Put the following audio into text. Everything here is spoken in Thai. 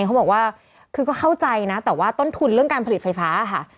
เขาบอกว่าคือก็เข้าใจนะแต่ว่าต้นทุนเรื่องการผลิตไฟฟ้าค่ะ